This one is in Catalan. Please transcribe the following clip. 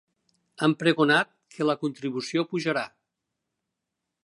Han pregonat que la contribució pujarà.